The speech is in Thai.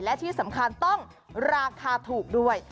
และที่สำคัญต้องราคาถูกด้วย